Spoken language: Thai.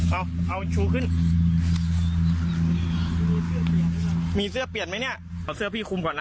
เอาเอาชูขึ้นมีเสื้อเปลี่ยนไหมเนี่ยเสื้อพี่คุมก่อนนะ